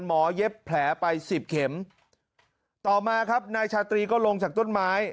เย็บแผลไปสิบเข็มต่อมาครับนายชาตรีก็ลงจากต้นไม้